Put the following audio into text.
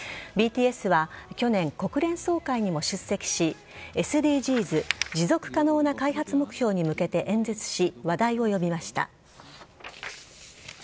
ＢＴＳは去年国連総会にも出席しＳＤＧｓ＝持続可能な開発目標に向けて演説し話題を呼びました。